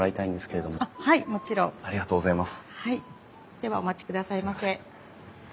ではお待ちくださいませ。